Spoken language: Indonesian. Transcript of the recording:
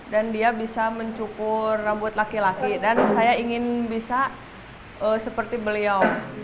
dan dia bisa mencukur rambut laki laki dan saya ingin bisa seperti beliau